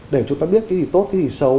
để chúng ta biết cái gì tốt cái gì xấu